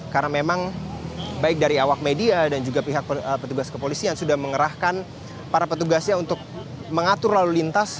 karena memang baik dari awak media dan juga pihak petugas kepolisian sudah mengerahkan para petugasnya untuk mengatur lalu lintas